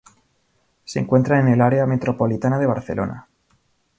Se encuentra en el área metropolitana de Barcelona.